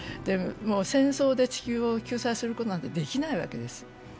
戦争で地球を救済することなんてできないわけです。